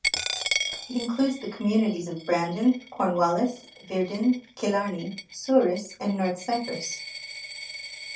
It includes the communities of Brandon, Cornwallis, Virden, Killarney, Souris and North Cypress.